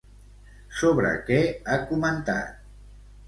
Sobre què ha comentat?